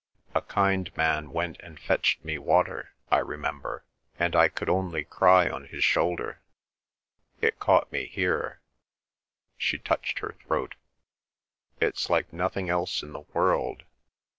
A kind man went and fetched me water, I remember; and I could only cry on his shoulder! It caught me here" (she touched her throat). "It's like nothing else in the world!